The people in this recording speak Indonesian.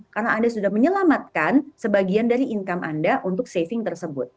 karena anda sudah menyelamatkan sebagian dari income anda untuk saving tersebut